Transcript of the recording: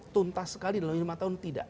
tuntas sekali dalam lima tahun tidak